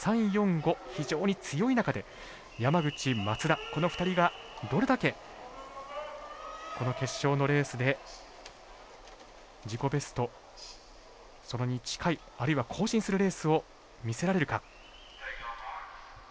３、４、５、非常に強い中で山口、松田、この２人がどれだけ、この決勝のレースで自己ベスト、それに近いあるいは更新するレースを見せられるか。